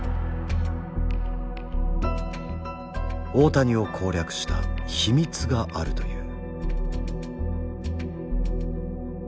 大谷を攻略した秘密があるという。